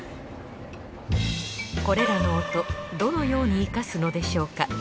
これらの音どのように生かすのでしょうか？